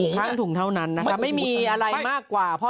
ครั้งถุงเท่านั้นนะนะไม่มีอะไรกว่า